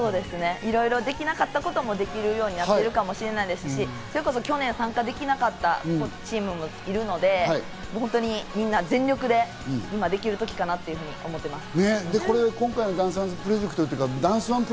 いろいろできなかったこともできるようになってるかもしれないですし、それこそ去年参加できなかったチームもあるので、みんな全力で今できる時かなと思っています。